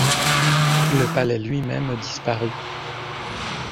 Le palais lui-même disparut.